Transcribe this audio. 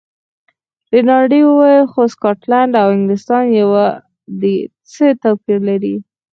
رینالډي وویل: خو سکاټلنډ او انګلیستان یو دي، څه توپیر لري.